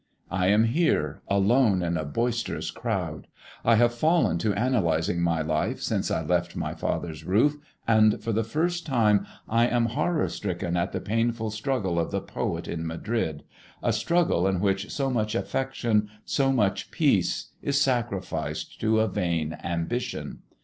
I am here, alone, in a boisterous crowd. I have fallen to analyzing my life since I left my father's roof, and for the first time I am horror stricken at the painful struggle of the poet in Madrid, a struggle in which so much affection, so much peace, is sacrificed to a vain ambition.